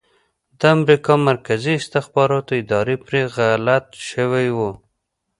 د امریکا مرکزي استخباراتو اداره پرې غلط شوي وو